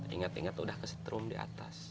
ingat ingat udah kesetrum di atas